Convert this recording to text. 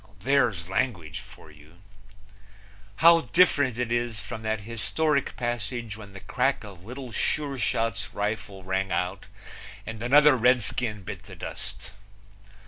There's language for you! How different it is from that historic passage when the crack of Little Sure Shot's rifle rang out and another Redskin bit the dust.